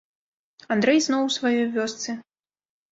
Андрэй зноў у сваёй вёсцы.